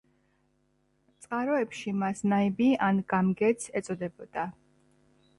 წყაროებში მას ნაიბი ან გამგეც ეწოდებოდა.